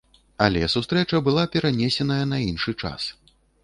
Але сустрэча была перанесеная на іншы час.